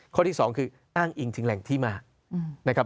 ข้อที่๒ตั้งอิงถึงแหล่งที่มา